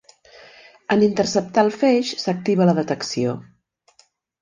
En interceptar el feix s'activa la detecció.